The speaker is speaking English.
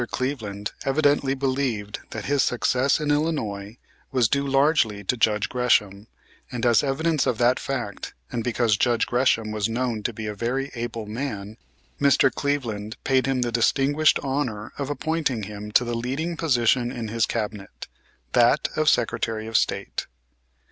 Cleveland evidently believed that his success in Illinois was due largely to Judge Gresham, and as evidence of that fact, and because Judge Gresham was known to be a very able man, Mr. Cleveland paid him the distinguished honor of appointing him to the leading position in his cabinet, that of Secretary of State.